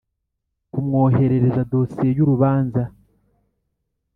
Kumwoherereza dosiye y urubanza